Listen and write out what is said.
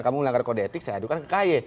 kamu melanggar kode etik saya adukan ke kay